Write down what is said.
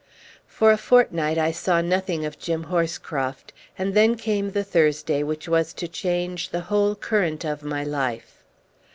For a fortnight I saw nothing of Jim Horscroft, and then came the Thursday which was to change the whole current of my life.